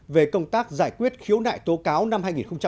về công tác giải quyết khiếu nại tố cáo năm hai nghìn một mươi tám